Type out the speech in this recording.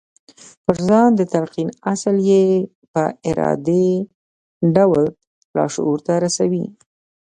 پر ځان د تلقين اصل يې په ارادي ډول لاشعور ته رسوي.